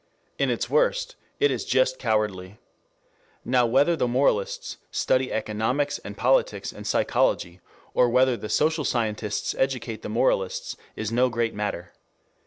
In its worst, it is just cowardly. Now whether the moralists study economics and politics and psychology, or whether the social scientists educate the moralists is no great matter.